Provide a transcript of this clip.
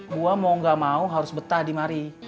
gue mau gak mau harus betah di mari